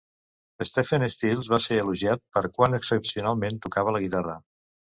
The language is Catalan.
Stephen Stills va ser elogiat per quan excepcionalment tocava la guitarra.